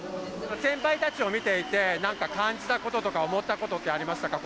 先輩たちを見ていて何か感じたこととか思ったことってありましたか？